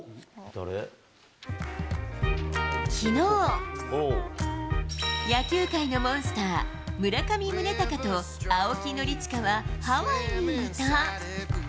きのう、野球界のモンスター、村上宗隆と青木宣親はハワイにいた。